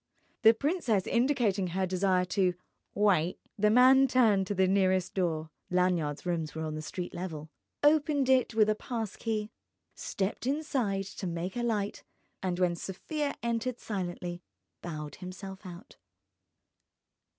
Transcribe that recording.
The princess indicating her desire to wite, the man turned to the nearest door (Lanyard's rooms were on the street level), opened it with a pass key, stepped inside to make a light, and when Sofia entered silently bowed himself out.